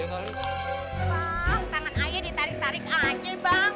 bang tangan aya ditarik tarik aja bang